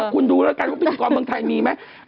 คุณดูเลยกันนะคะว่าพี่บิติกรรมเมืองไทยมีไหม